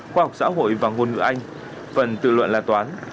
khoa học xã hội và ngôn ngữ anh phần tự luận là toán